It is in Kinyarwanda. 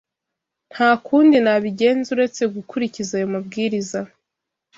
Nta kundi nabigenza uretse gukurikiza ayo mabwiriza.